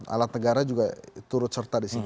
alat negara juga turut serta disini